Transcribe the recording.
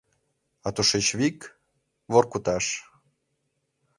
— А тушеч вик — Воркуташ...